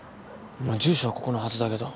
住所はここのはずだけど。